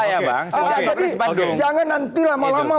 jadi jangan nanti lama lama